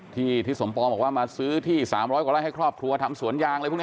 ทิศสมปองบอกว่ามาซื้อที่๓๐๐กว่าไร่ให้ครอบครัวทำสวนยางอะไรพวกนี้